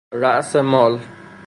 راس مال